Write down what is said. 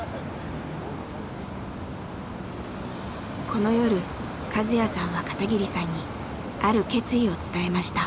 この夜和哉さんは片桐さんにある決意を伝えました。